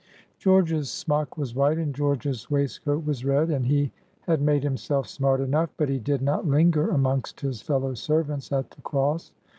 George's smock was white, and George's waistcoat was red, and he had made himself smart enough, but he did not linger amongst his fellow servants at the Cross.